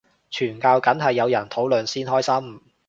傳教梗係有人討論先開心